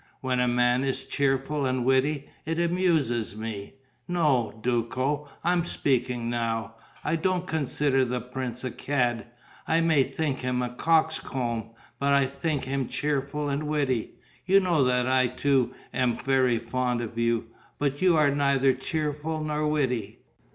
When a man is cheerful and witty, it amuses me. No, Duco, I'm speaking now. I don't consider the prince a cad. I may think him a coxcomb, but I think him cheerful and witty. You know that I too am very fond of you, but you are neither cheerful nor witty.